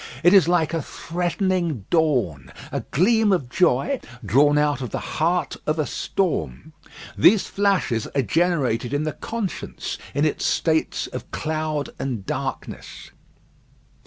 It is like a threatening dawn, a gleam of joy drawn out of the heart of a storm. These flashes are generated in the conscience in its states of cloud and darkness.